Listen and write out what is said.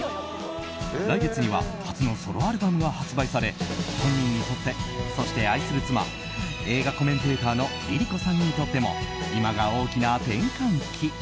来月には初のソロアルバムが発売され本人にとって、そして愛する妻映画コメンテーターのＬｉＬｉＣｏさんにとっても今が大きな転換期。